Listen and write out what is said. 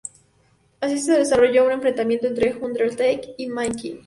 Así se desarrolló un enfrentamiento entre Undertaker y Mankind.